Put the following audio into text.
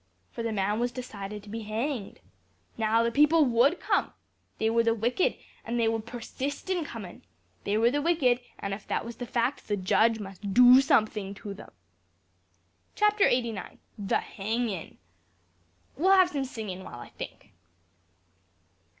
For the man was decided to be hanged. Now, the people would come. They were the wicked, and they would persist in comin'. They were the wicked; and, if that was the fact, the judge must do something to them. "Chapter eighty nine. The hangin'. We'll have some singin' while I think."